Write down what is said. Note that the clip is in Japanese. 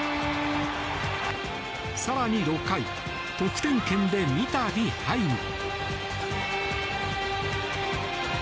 更に６回得点圏で三度ハイム。